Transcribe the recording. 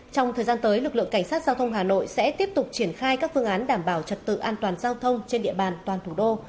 trong thời gian tới lực lượng cảnh sát giao thông hà nội sẽ tiếp tục triển khai các phương án đảm bảo trật tự an toàn giao thông trên địa bàn toàn thủ đô